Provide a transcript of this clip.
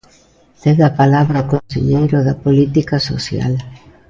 Ten a palabra o conselleiro de Política Social.